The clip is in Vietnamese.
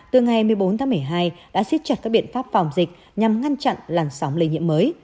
từ ngày một mươi bốn tháng một mươi hai đã xiết chặt các biện pháp phòng dịch nhằm ngăn chặn làn sóng lây nhiễm mới